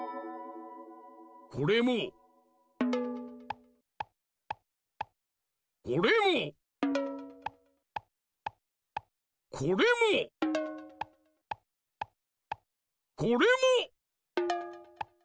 これもこれもこれもこれも！